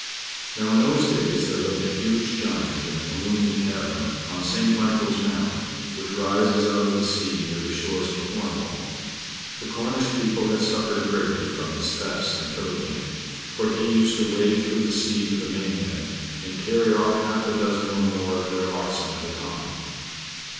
Now, in those days there lived a huge giant in a gloomy cavern on St. Michael's Mount, which rises out of the sea near the shores of Cornwall. The Cornish people had suffered greatly from his thefts and pillaging; for he used to wade through the sea to the mainland, and carry off half a dozen or more of their oxen at a time.